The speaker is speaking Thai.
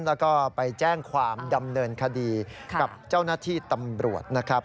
แล้วก็ไปแจ้งความดำเนินคดีกับเจ้าหน้าที่ตำรวจนะครับ